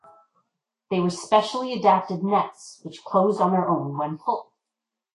They were specially adapted nets which closed on their own when full.